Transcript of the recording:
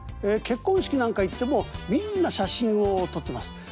結婚式なんか行ってもみんな写真を撮ってます。